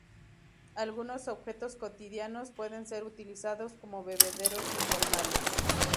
Algunos objetos cotidianos pueden ser utilizados como bebederos informales.